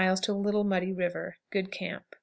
Little Muddy River. Good camp.